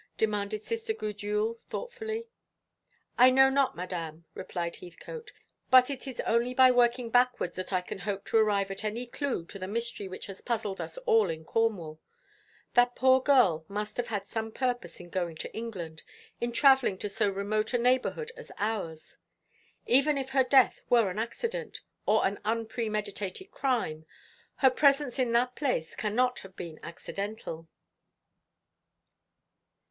demanded Sister Gudule thoughtfully. "I know not, Madame," replied Heathcote; "but it is only by working backwards that I can hope to arrive at any clue to the mystery which has puzzled us all in Cornwall. That poor girl must have had some purpose in going to England, in travelling to so remote a neighbourhood as ours. Even if her death were an accident, or an unpremeditated crime, her presence in that place cannot have been accidental."